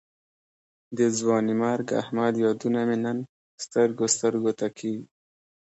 د ځوانمرګ احمد یادونه مې نن سترګو سترګو ته کېږي.